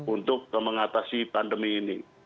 untuk mengatasi pandemi ini